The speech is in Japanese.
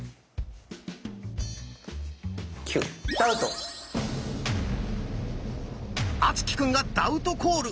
９！敦貴くんがダウトコール。